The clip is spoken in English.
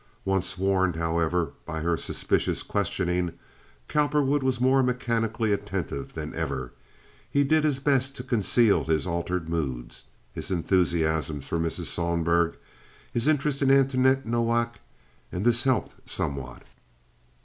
Once warned, however, by her suspicious questioning, Cowperwood was more mechanically attentive than ever. He did his best to conceal his altered mood—his enthusiasms for Mrs. Sohlberg, his interest in Antoinette Nowak—and this helped somewhat.